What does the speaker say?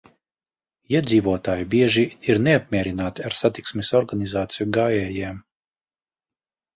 Iedzīvotāji bieži ir neapmierināti ar satiksmes organizāciju gājējiem.